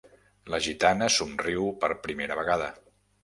La gitana somriu per primera vegada.